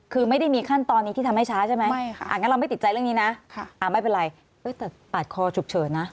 คือไม่ได้มีขั้นตอนนี้ที่ทำให้ช้าใช่ไหมงั้นเราไม่ติดใจเรื่องนี้นะไม่เป็นไรแต่ปาดคอฉุกเฉินนะ